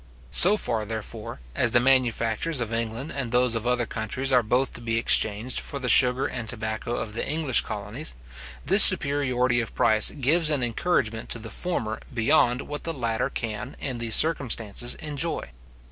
So far, therefore, as the manufactures of England and those of other countries are both to be exchanged for the sugar and tobacco of the English colonies, this superiority of price gives an encouragement to the former beyond what the latter can, in these circumstances, enjoy.